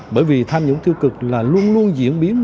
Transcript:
bởi vì tham nhũng tiêu cực là luôn luôn diễn biến